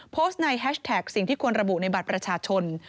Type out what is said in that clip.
โพสต์ในแฮชแท็กสิ่งที่ควรระบุในบัตรประชาชน